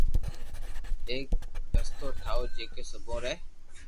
ايڪ رستو ٺاو جڪي سبو ري